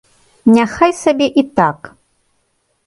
Няхай сабе і так!